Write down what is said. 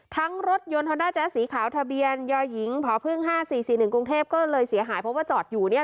ทั้งรถยนต์ธนาจรรย์สีขาวทะเบียนยอยหญิงพภห้าสี่สี่หนึ่งกรุงเทพก็เลยเสียหายเพราะว่าจอดอยู่เนี่ย